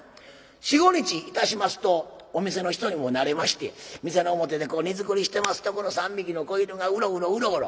４５日いたしますとお店の人にもなれまして店の表でこう荷造りしてますとこの３匹の子犬がウロウロウロウロ。